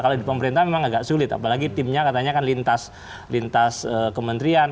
kalau di pemerintah memang agak sulit apalagi timnya katanya kan lintas kementerian